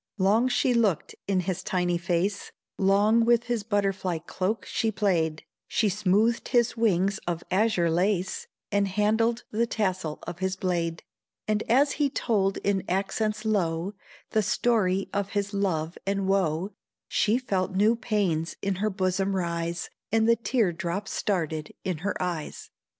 Long she looked in his tiny face; Long with his butterfly cloak she played; She smoothed his wings of azure lace, And handled the tassel of his blade; And as he told in accents low The story of his love and wo, She felt new pains in her bosom rise, And the tear drop started in her eyes.